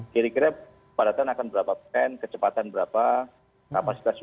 kira kira kepadatan akan berapa pen kecepatan berapa kapasitas